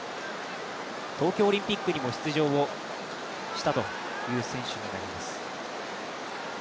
東京オリンピックにも出場したという選手になります。